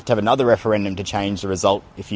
anda harus memiliki referandum lain untuk mengubah hasilnya